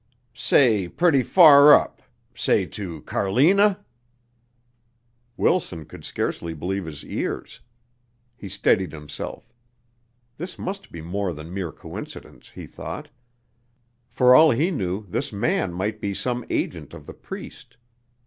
"Say pretty far up Say to Carlina?" Wilson could scarcely believe his ears. He steadied himself. This must be more than mere coincidence, he thought. For all he knew, this man might be some agent of the priest.